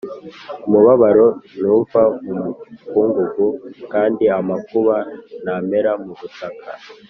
umubabaro ntuva mu mukungugu, kandi amakuba ntamera mu butaka